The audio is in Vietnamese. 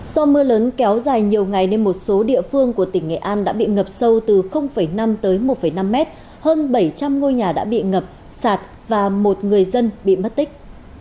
do mưa lớn kéo dài nhiều ngày nên một số địa phương của tỉnh nghệ an đã bị ngập sâu từ năm tới một năm mét hơn bảy trăm linh ngôi nhà đã bị ngập sạt và một người dân bị mất tích